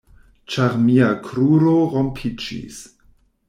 Ĉar mia kruro rompiĝis.